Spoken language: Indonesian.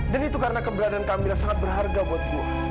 dan itu karena keberadaan camilla sangat berharga buat gue